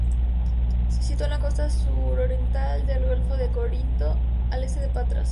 Se sitúa en la costa suroccidental del golfo de Corinto, al este de Patras.